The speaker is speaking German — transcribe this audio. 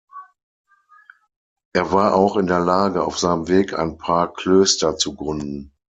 Er war auch in der Lage, auf seinem Weg ein paar Klöster zu gründen.